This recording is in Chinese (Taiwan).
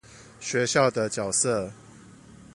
學校的角色